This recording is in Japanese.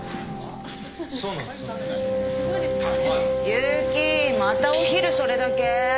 悠木またお昼それだけ？